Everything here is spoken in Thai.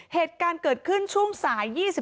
เหตุการณ์เกิดขึ้นช่วงสาย๒๓